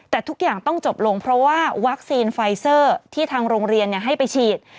แต่ทุกอย่างต้องจบลงเพราะว่าวัคซีนไฟเซอร์ที่ทางโรงเรียนให้ไปฉีด